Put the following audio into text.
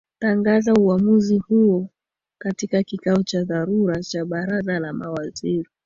tangaza uamuzi huo katika kikao cha dharura cha baraza la mawaziri